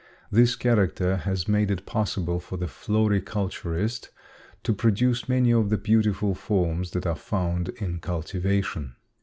This character has made it possible for the floriculturist to produce many of the beautiful forms that are found in cultivation.